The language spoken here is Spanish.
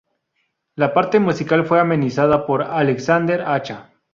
La parte musical fue amenizada por Alexander Acha.